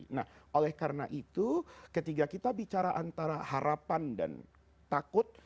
nah oleh karena itu ketika kita bicara antara harapan dan takut